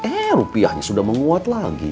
eh rupiahnya sudah menguat lagi